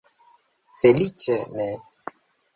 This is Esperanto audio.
Feliĉe ne.